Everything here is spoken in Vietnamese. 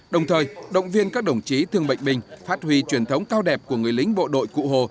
đồng thời động viên các đồng chí thương bệnh binh phát huy truyền thống cao đẹp của người lính bộ đội cụ hồ